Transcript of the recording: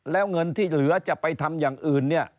แล้วเงินที่เหลือจะไปทำอย่างอื่นเนี่ย